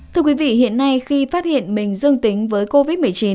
thưa quý vị hiện nay khi phát hiện mình dương tính với covid một mươi chín